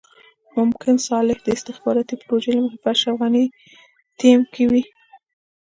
ممکن صالح د استخباراتي پروژې له مخې په اشرف غني ټيم کې وي.